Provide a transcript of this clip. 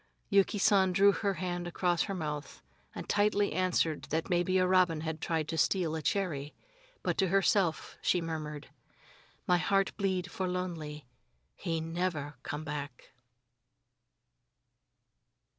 Yuki San drew her hand across her mouth, and lightly answered that maybe a robin had tried to steal a cherry. But to herself she murmured: "My heart bleed for lonely. He never come back."